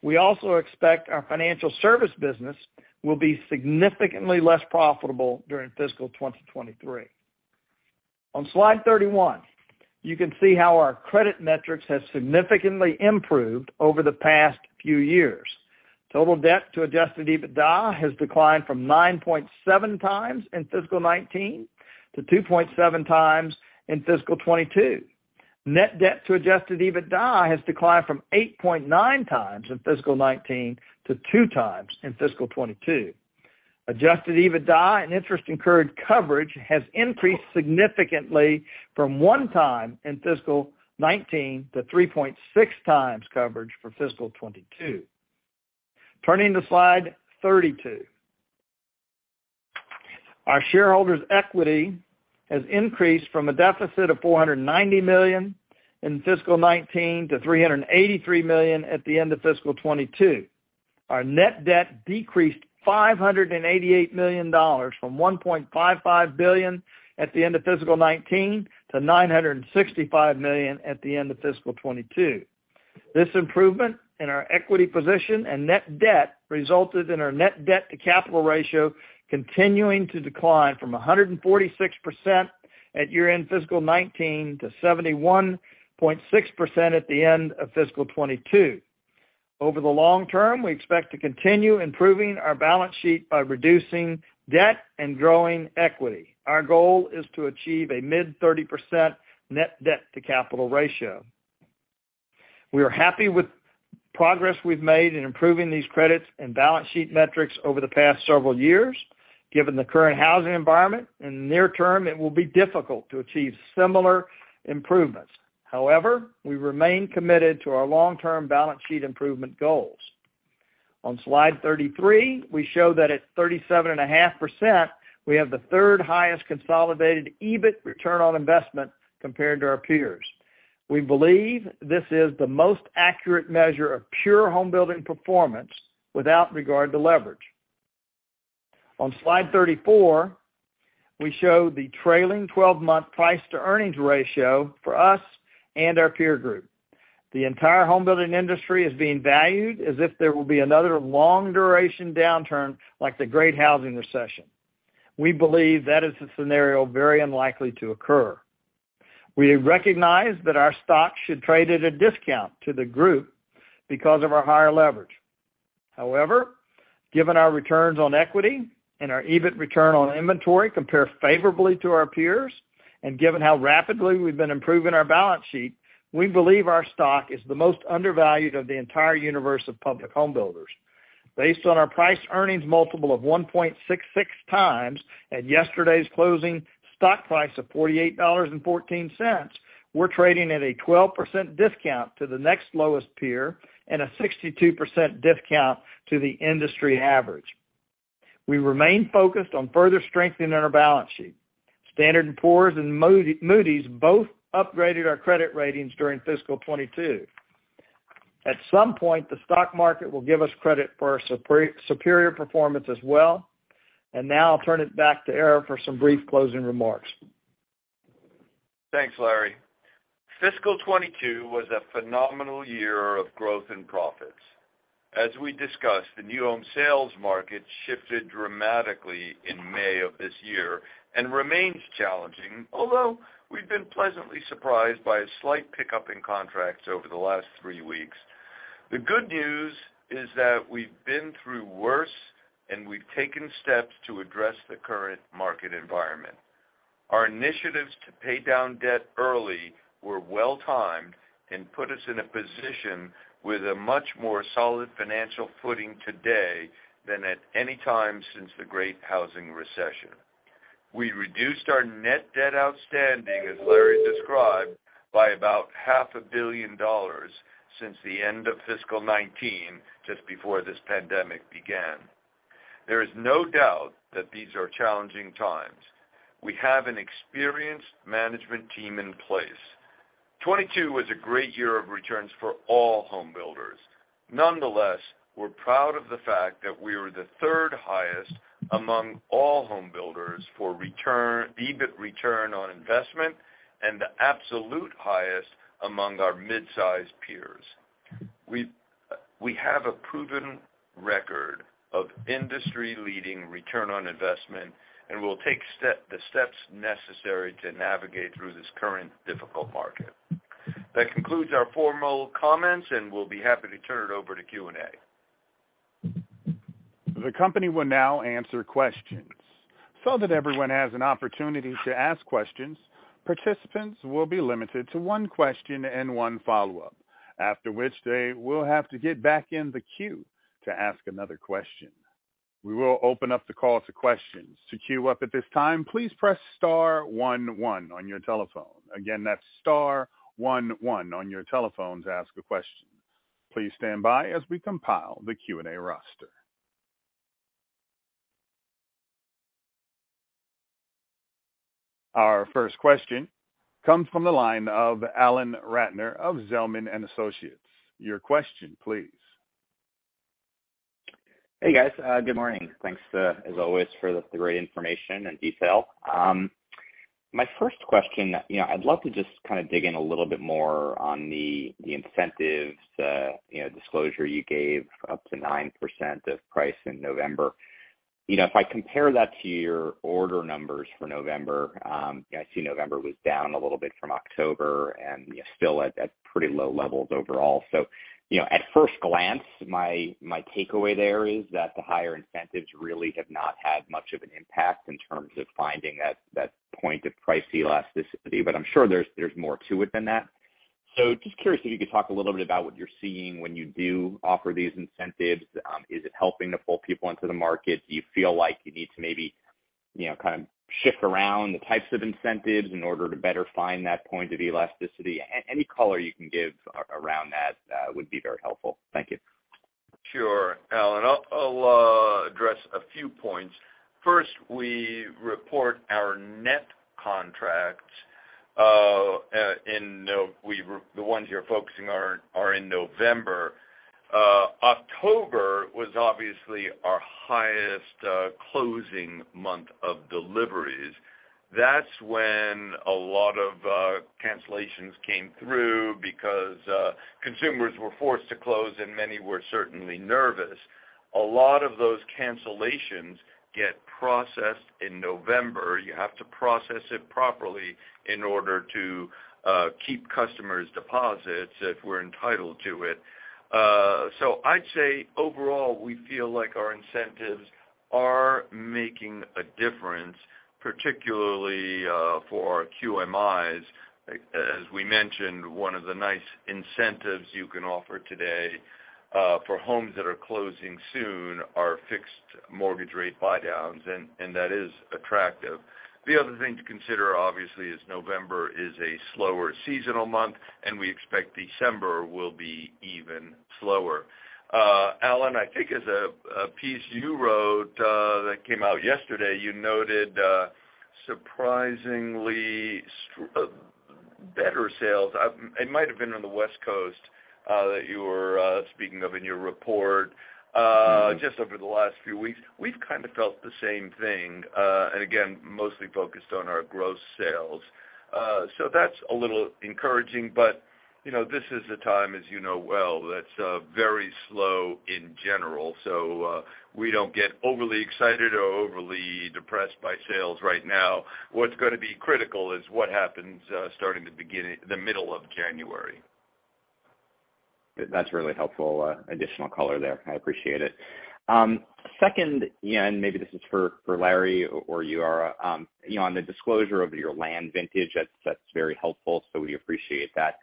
we also expect our financial service business will be significantly less profitable during fiscal 2023. On slide 31, you can see how our credit metrics has significantly improved over the past few years. Total debt to adjusted EBITDA has declined from 9.7x in fiscal 2019 to 2.7x in fiscal 2022. Net debt to adjusted EBITDA has declined from 8.9x in fiscal 2019 to 2x in fiscal 2022. Adjusted EBITDA and interest incurred coverage has increased significantly from 1x in fiscal 2019 to 3.6x coverage for fiscal 2022. Turning to slide 32. Our shareholders' equity has increased from a deficit of $490 million in fiscal 2019 to $383 million at the end of fiscal 2022. Our net debt decreased $588 million from $1.55 billion at the end of fiscal 2019 to $965 million at the end of fiscal 2022. This improvement in our equity position and net debt resulted in our net debt to capital ratio continuing to decline from 146% at year-end fiscal 2019 to 71.6% at the end of fiscal 2022. Over the long term, we expect to continue improving our balance sheet by reducing debt and growing equity. Our goal is to achieve a mid-30% net debt to capital ratio. We are happy with progress we've made in improving these credits and balance sheet metrics over the past several years. Given the current housing environment, in the near term, it will be difficult to achieve similar improvements. We remain committed to our long-term balance sheet improvement goals. On slide 33, we show that at 37.5%, we have the third-highest consolidated EBIT return on investment compared to our peers. We believe this is the most accurate measure of pure home building performance without regard to leverage. On slide 34, we show the trailing-twelve-month price-to-earnings ratio for us and our peer group. The entire home building industry is being valued as if there will be another long-duration downturn like the Great Housing Recession. We believe that is a scenario very unlikely to occur. We recognize that our stock should trade at a discount to the group because of our higher leverage. However, given our returns on equity and our EBIT return on inventory compare favorably to our peers, and given how rapidly we've been improving our balance sheet, we believe our stock is the most undervalued of the entire universe of public home builders. Based on our price-earnings multiple of 1.66x at yesterday's closing stock price of $48.14, we're trading at a 12% discount to the next lowest peer and a 62% discount to the industry average. We remain focused on further strengthening our balance sheet. Standard & Poor's and Moody's both upgraded our credit ratings during fiscal 2022. At some point, the stock market will give us credit for our superior performance as well. Now I'll turn it back to Ara for some brief closing remarks. Thanks, Larry. Fiscal 2022 was a phenomenal year of growth and profits. As we discussed, the new home sales market shifted dramatically in May of this year and remains challenging, although we've been pleasantly surprised by a slight pickup in contracts over the last three weeks. The good news is that we've been through worse, and we've taken steps to address the current market environment. Our initiatives to pay down debt early were well-timed and put us in a position with a much more solid financial footing today than at any time since the Great Housing Recession. We reduced our net debt outstanding, as Larry described, by about half a billion dollars since the end of fiscal 2019, just before this pandemic began. There is no doubt that these are challenging times. We have an experienced management team in place. 2022 was a great year of returns for all home builders. Nonetheless, we're proud of the fact that we were the third highest among all home builders for EBIT return on investment and the absolute highest among our mid-sized peers. We have a proven record of industry-leading return on investment, and we'll take the steps necessary to navigate through this current difficult market. That concludes our formal comments, and we'll be happy to turn it over to Q&A. The company will now answer questions. That everyone has an opportunity to ask questions, participants will be limited to one question and 1 follow-up, after which they will have to get back in the queue to ask another question. We will open up the call to questions. To queue up at this time, please press star one one on your telephone. Again, that's star one one on your telephone to ask a question. Please stand by as we compile the Q&A roster. Our first question comes from the line of Alan Ratner of Zelman & Associates. Your question, please. Hey, guys. Good morning. Thanks, as always for the great information and detail. My first question, you know, I'd love to just kind of dig in a little bit more on the incentives, you know, disclosure you gave up to 9% of price in November. You know, if I compare that to your order numbers for November, you know, I see November was down a little bit from October and, you know, still at pretty low levels overall. At first glance, my takeaway there is that the higher incentives really have not had much of an impact in terms of finding that point of price elasticity, but I'm sure there's more to it than that. Just curious if you could talk a little bit about what you're seeing when you do offer these incentives. Is it helping to pull people into the market? Do you feel like you need to maybe, you know, kind of shift around the types of incentives in order to better find that point of elasticity? Any color you can give around that would be very helpful. Thank you. Sure, Alan. I'll address a few points. First, we report our net contracts in November. October was obviously our highest closing month of deliveries. That's when a lot of cancellations came through because consumers were forced to close, and many were certainly nervous. A lot of those cancellations get processed in November. You have to process it properly in order to keep customers' deposits if we're entitled to it. I'd say overall, we feel like our incentives are making a difference, particularly for our QMIs. As we mentioned, one of the nice incentives you can offer today for homes that are closing soon are fixed mortgage rate buydowns, and that is attractive. The other thing to consider, obviously, is November is a slower seasonal month, and we expect December will be even slower. Alan, I think as a piece you wrote that came out yesterday, you noted surprisingly better sales. It might have been on the West Coast that you were speaking of in your report. Mm-hmm. Just over the last few weeks, we've kind of felt the same thing, again, mostly focused on our gross sales. That's a little encouraging, but, you know, this is a time, as you know well, that's very slow in general. We don't get overly excited or overly depressed by sales right now. What's gonna be critical is what happens starting the middle of January. That's really helpful, additional color there. I appreciate it. Second, Ian, maybe this is for Larry or you Ara, you know, on the disclosure of your land vintage, that's very helpful, so we appreciate that.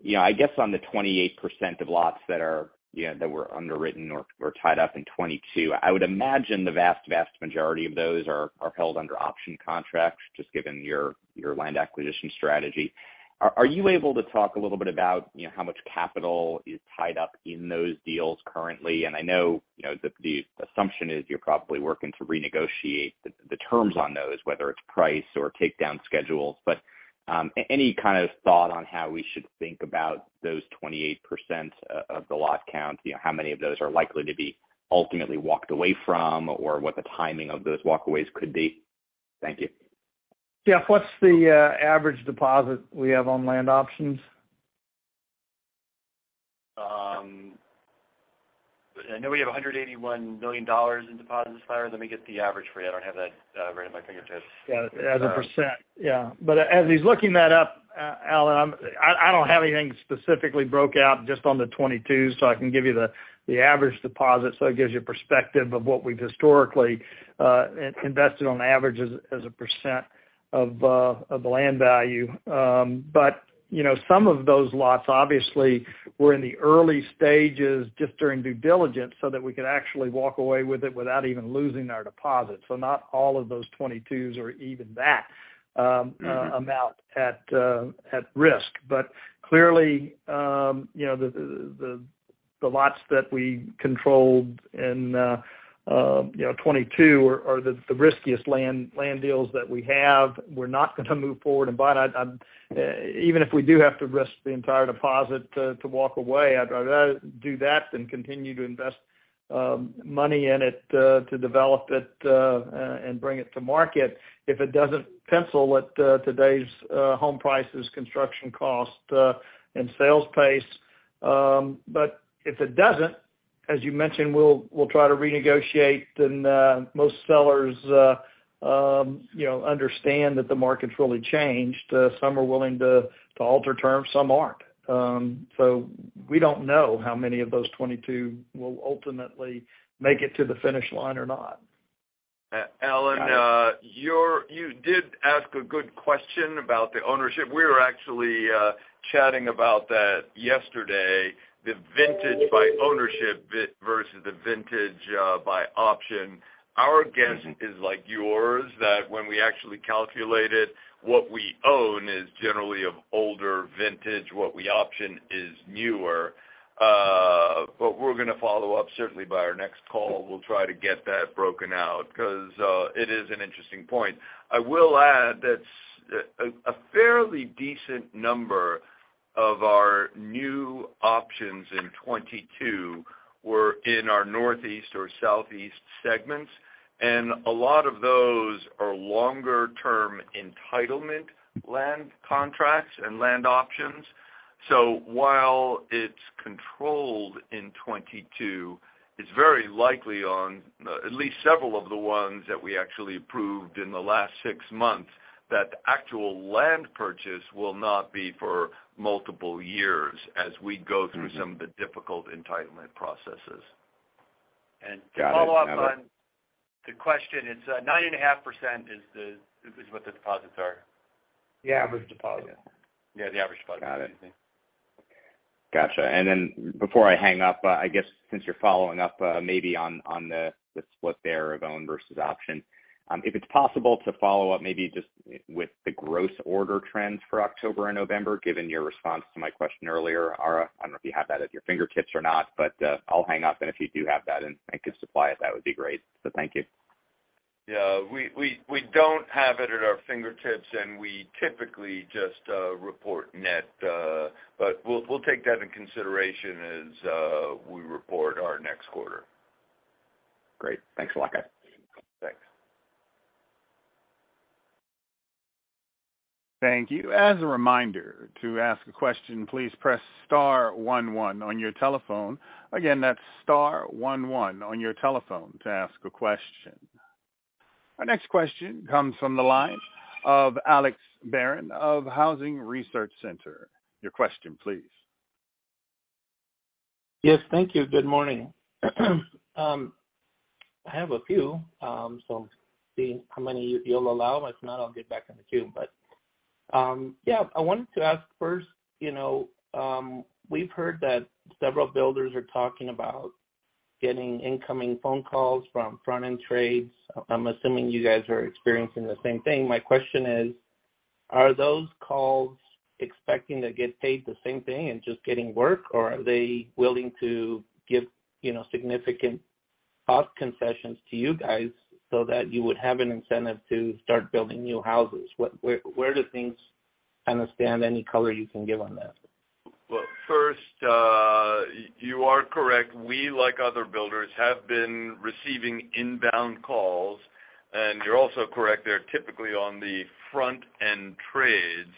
You know, I guess on the 28% of lots that are, you know, that were underwritten or tied up in 2022, I would imagine the vast majority of those are held under option contracts just given your land acquisition strategy. Are you able to talk a little bit about, you know, how much capital is tied up in those deals currently? I know, you know, the assumption is you're probably working to renegotiate the terms on those, whether it's price or takedown schedules. Any kind of thought on how we should think about those 28% of the lot count, you know, how many of those are likely to be ultimately walked away from or what the timing of those walkaways could be? Thank you. Jeff, what's the average deposit we have on land options? I know we have $181 million in deposits, Larry. Let me get the average for you. I don't have that right at my fingertips. Yeah, as a percent. Yeah. As he's looking that up, Alan, I don't have anything specifically broke out just on the 2022, so I can give you the average deposit, so it gives you perspective of what we've historically invested on average as a percent of the land value. You know, some of those lots obviously were in the early stages just during due diligence so that we could actually walk away with it without even losing our deposit. Not all of those 2022s are even that amount at risk. Clearly, you know, the lots that we controlled in, you know, 2022 are the riskiest land deals that we have. We're not gonna move forward. But I'd, even if we do have to risk the entire deposit to walk away, I'd rather do that than continue to invest money in it to develop it and bring it to market if it doesn't pencil at today's home prices, construction cost, and sales pace. If it doesn't, as you mentioned, we'll try to renegotiate and most sellers, you know, understand that the market's really changed. Some are willing to alter terms, some aren't. We don't know how many of those 2022 will ultimately make it to the finish line or not. Alan, you did ask a good question about the ownership. We were actually chatting about that yesterday, the vintage by ownership versus the vintage by option. Our guess is like yours, that when we actually calculate it, what we own is generally of older vintage. What we option is newer. We're gonna follow up, certainly by our next call, we'll try to get that broken out because it is an interesting point. I will add that a fairly decent number of our new options in 2022 were in our Northeast or Southeast segments, and a lot of those are longer-term entitlement land contracts and land options. While it's controlled in 2022, it's very likely on, at least several of the ones that we actually approved in the last six months, that the actual land purchase will not be for multiple years as we go through some of the difficult entitlement processes. To follow up on the question, it's, 9.5% is what the deposits are. The average deposit. Yeah, the average deposit. Got it. Gotcha. Before I hang up, I guess since you're following up, maybe on the split there of own versus option, if it's possible to follow up, maybe just with the gross order trends for October and November, given your response to my question earlier. Ara, I don't know if you have that at your fingertips or not, but I'll hang up, and if you do have that and could supply it, that would be great. Thank you. Yeah. We don't have it at our fingertips, and we typically just report net. We'll take that into consideration as we report our next quarter. Great. Thanks a lot, guys. Thanks. Thank you. As a reminder, to ask a question, please press star one one on your telephone. Again, that's star one one on your telephone to ask a question. Our next question comes from the line of Alex Barron of Housing Research Center. Your question, please. Yes, thank you. Good morning. I have a few, so see how many you'll allow. If not, I'll get back in the queue. Yeah, I wanted to ask first, you know, we've heard that several builders are talking about getting incoming phone calls from front-end trades. I'm assuming you guys are experiencing the same thing. My question is, are those calls expecting to get paid the same thing and just getting work, or are they willing to give, you know, significant cost concessions to you guys so that you would have an incentive to start building new houses? Where do things kind of stand? Any color you can give on that? Well, first, you are correct. We, like other builders, have been receiving inbound calls. You're also correct, they're typically on the front-end trades.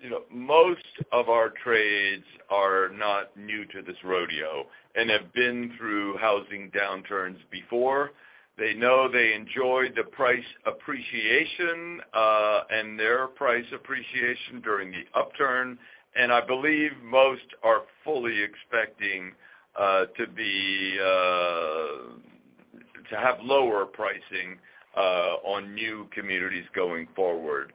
You know, most of our trades are not new to this rodeo and have been through housing downturns before. They know they enjoyed the price appreciation and their price appreciation during the upturn. I believe most are fully expecting to have lower pricing on new communities going forward.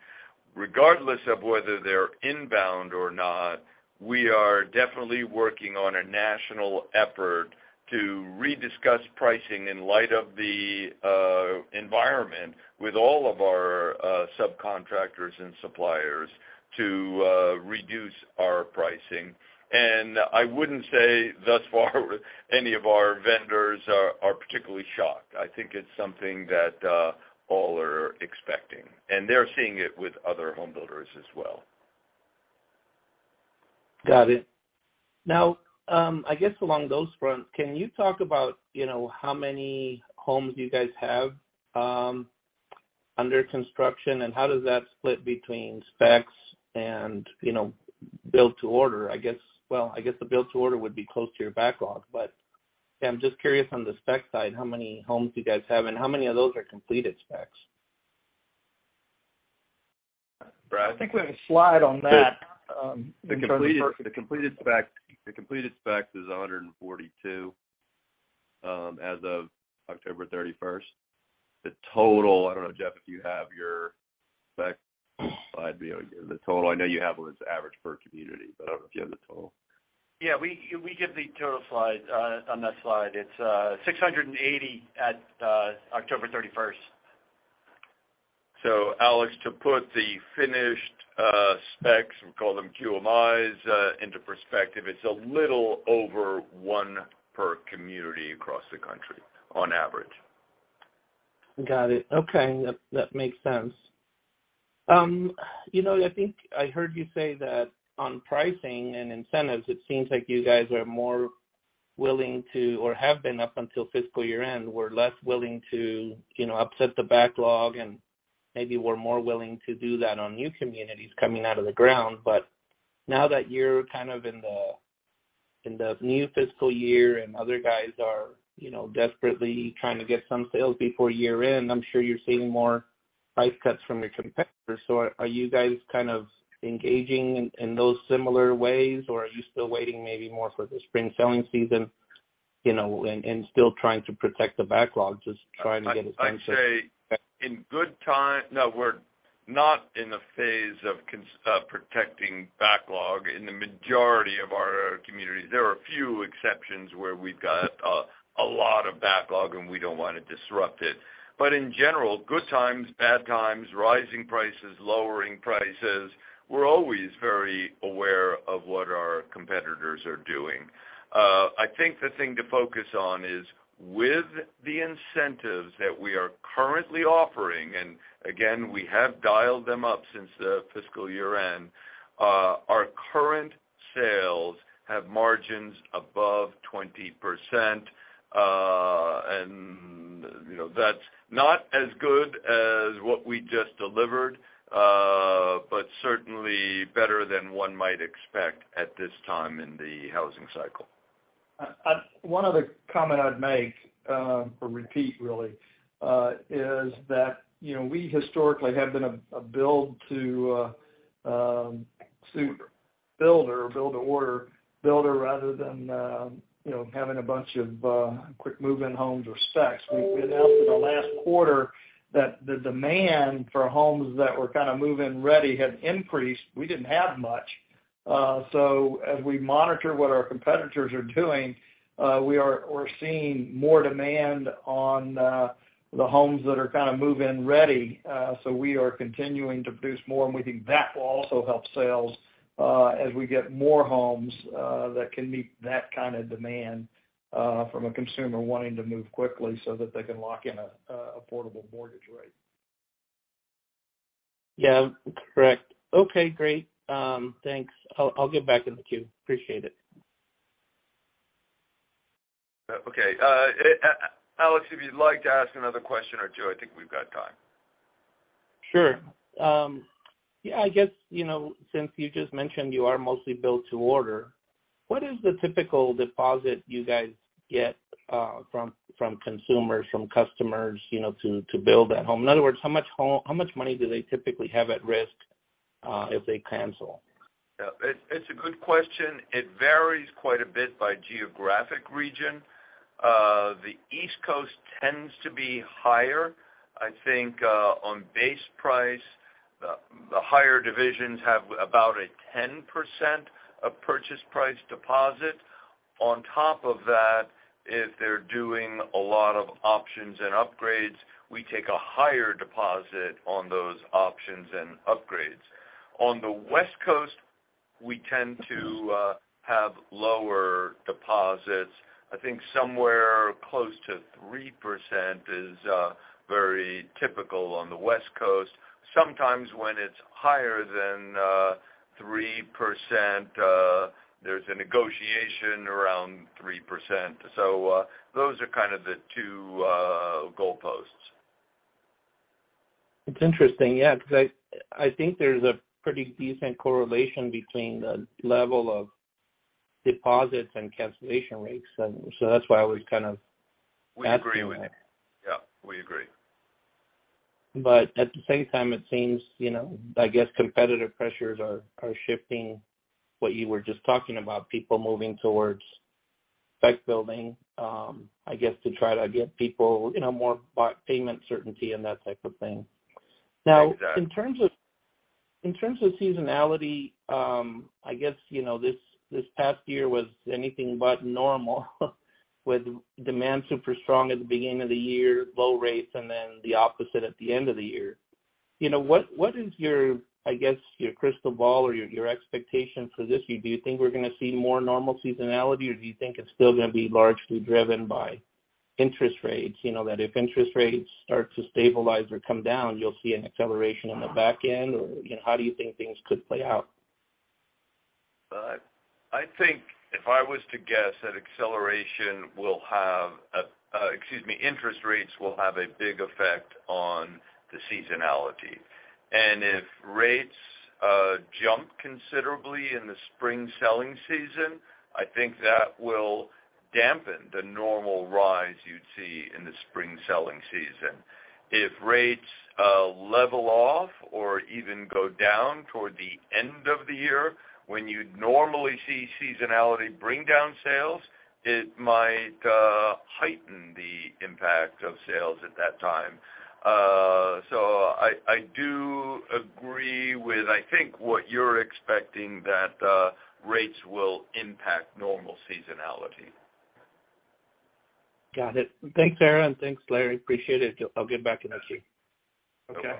Regardless of whether they're inbound or not, we are definitely working on a national effort to rediscuss pricing in light of the environment with all of our subcontractors and suppliers to reduce our pricing. I wouldn't say thus far any of our vendors are particularly shocked. I think it's something that, all are expecting. They're seeing it with other home builders as well. Got it. I guess along those fronts, can you talk about, you know, how many homes you guys have under construction and how does that split between specs and, you know, build to order? I guess the build-to-order would be close to your backlog. Yeah, I'm just curious on the spec side, how many homes you guys have and how many of those are completed specs. I think we have a slide on that. The completed spec, the completed specs is 142 as of October 31st. The total, I don't know, Jeff, if you have your spec slide, you know, the total. I know you have what it's average per community, but I don't know if you have the total. Yeah, we give the total slide on that slide. It's 680 at October 31st. Alex, to put the finished specs, we call them QMIs, into perspective, it's a little over one per community across the country on average. Got it. Okay. That makes sense. you know, I think I heard you say that on pricing and incentives, it seems like you guys are more willing to or have been up until fiscal year-end, were less willing to, you know, upset the backlog. Maybe we're more willing to do that on new communities coming out of the ground. Now that you're kind of in the, in the new fiscal year and other guys are, you know, desperately trying to get some sales before year-end, I'm sure you're seeing more price cuts from your competitors. Are you guys kind of engaging in those similar ways, or are you still waiting maybe more for the spring selling season, you know, and still trying to protect the backlog, just trying to get? I'd say in good time. No, we're not in a phase of protecting backlog in the majority of our communities. There are a few exceptions where we've got a lot of backlog, and we don't wanna disrupt it. In general, good times, bad times, rising prices, lowering prices, we're always very aware of what our competitors are doing. I think the thing to focus on is with the incentives that we are currently offering, and again, we have dialed them up since the fiscal year-end, our current sales have margins above 20%. You know, that's not as good as what we just delivered, but certainly better than one might expect at this time in the housing cycle. One other comment I'd make, or repeat really, is that, you know, we historically have been a build to super builder, build-to-order builder rather than, you know, having a bunch of quick move-in homes or specs. We've been out in the last quarter that the demand for homes that were kind of move-in ready had increased. We didn't have much. So as we monitor what our competitors are doing, we're seeing more demand on the homes that are kind of move-in ready. So we are continuing to produce more, and we think that will also help sales, as we get more homes that can meet that kind of demand from a consumer wanting to move quickly so that they can lock in an affordable mortgage rate. Yeah. Correct. Okay, great. Thanks. I'll get back in the queue. Appreciate it. Okay. Alex, if you'd like to ask another question or two, I think we've got time. Sure. Yeah, I guess, you know, since you just mentioned you are mostly built to order, what is the typical deposit you guys get from consumers, from customers, you know, to build that home? In other words, how much money do they typically have at risk if they cancel? Yeah. It's a good question. It varies quite a bit by geographic region. The East Coast tends to be higher. I think, on base price, the higher divisions have about a 10% of purchase price deposit. On top of that, if they're doing a lot of options and upgrades, we take a higher deposit on those options and upgrades. On the West Coast, we tend to have lower deposits. I think somewhere close to 3% is very typical on the West Coast. Sometimes when it's higher than 3%, there's a negotiation around 3%. Those are kind of the two goalposts. It's interesting. Yeah, 'cause I think there's a pretty decent correlation between the level of deposits and cancellation rates. That's why I was kind of. We agree with you. Yeah, we agree. At the same time, it seems, you know, I guess competitive pressures are shifting what you were just talking about, people moving towards spec building, I guess, to try to get people, you know, more payment certainty and that type of thing. Exactly. In terms of seasonality, I guess, you know, this past year was anything but normal with demand super strong at the beginning of the year, low rates, and then the opposite at the end of the year. You know, what is your, I guess, your crystal ball or your expectation for this? Do you think we're gonna see more normal seasonality, or do you think it's still gonna be largely driven by interest rates? You know, that if interest rates start to stabilize or come down, you'll see an acceleration on the back end or, you know, how do you think things could play out? I think if I was to guess that interest rates will have a big effect on the seasonality. If rates jump considerably in the spring selling season, I think that will dampen the normal rise you'd see in the spring selling season. If rates level off or even go down toward the end of the year when you'd normally see seasonality bring down sales, it might heighten the impact of sales at that time. I do agree with, I think, what you're expecting that rates will impact normal seasonality. Got it. Thanks, Ara, and thanks, Larry. Appreciate it. I'll get back in the queue. Okay. Okay.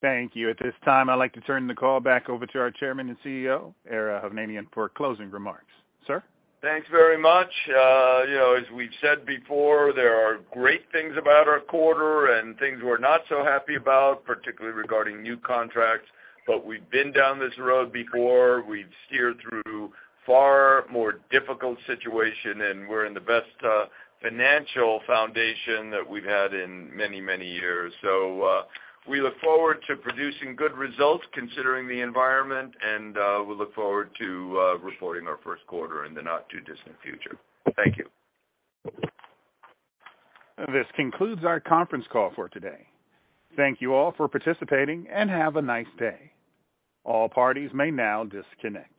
Thank you. At this time, I'd like to turn the call back over to our Chairman and CEO, Ara Hovnanian, for closing remarks. Sir? Thanks very much. you know, as we've said before, there are great things about our quarter and things we're not so happy about, particularly regarding new contracts. We've been down this road before. We've steered through far more difficult situation, and we're in the best financial foundation that we've had in many, many years. We look forward to producing good results considering the environment, and we look forward to reporting our first quarter in the not-too-distant future. Thank you. This concludes our conference call for today. Thank you all for participating and have a nice day. All parties may now disconnect.